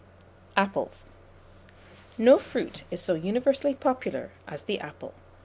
APPLES. No fruit is so universally popular as the apple.